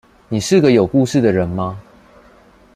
你是個有故事的人嗎